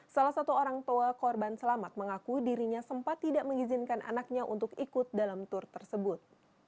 salah satu orang tua korban selamat mengaku dirinya sempat tidak mengizinkan anaknya untuk ikut dalam tur tersebut